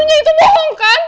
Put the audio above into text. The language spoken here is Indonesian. lo yang terlalu